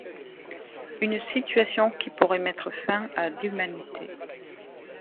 Une situation qui pourrait mettre fin à l’Humanité.